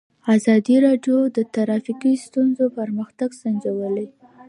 ازادي راډیو د ټرافیکي ستونزې پرمختګ سنجولی.